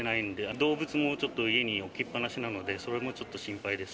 動物もちょっと家に置きっ放しなので、それもちょっと心配です。